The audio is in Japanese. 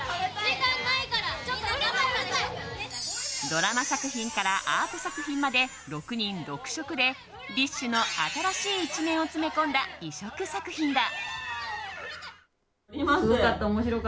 ドラマ作品からアート作品まで６人６色で、ＢｉＳＨの新しい一面を詰め込んだ異色作品だ。